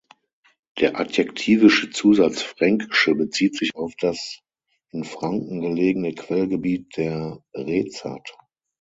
Der adjektivische Zusatz "Fränkische" bezieht sich auf das in Franken gelegene Quellgebiet der Rezat.